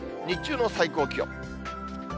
日中の最高気温。